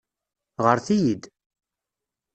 Ɣret-iyi-d!